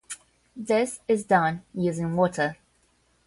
This is done using water.